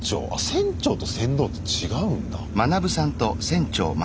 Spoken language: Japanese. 船長と船頭って違うんだ。